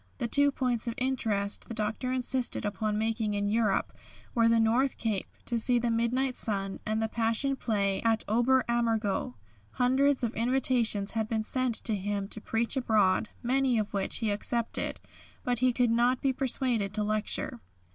The two points of interest the Doctor insisted upon making in Europe were the North Cape, to see the Midnight Sun, and the Passion Play at Ober Ammergau. Hundreds of invitations had been sent to him to preach abroad, many of which he accepted, but he could not be persuaded to lecture.